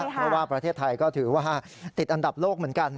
เพราะว่าประเทศไทยก็ถือว่าติดอันดับโลกเหมือนกัน